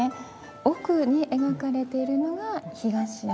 奥に描かれているのが東山。